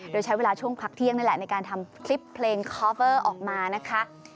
โดยใช้เวลาช่วงพักเที่ยงนั่นแหละในการทำคลิปเพลงคอฟเวอร์ออกมานะคะ